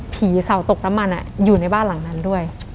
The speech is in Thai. เสาตกน้ำมันอยู่ในบ้านหลังนั้นด้วย